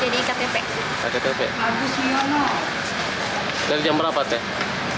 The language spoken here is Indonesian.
dari jam berapa teh